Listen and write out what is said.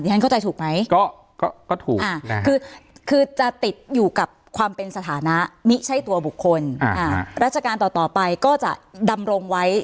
อีกทางก็จะติดอยู่กับความเป็นสถานะมิใช้ตัวบุคคลอาหราชกาลต่อไปก็จะดำลงไว้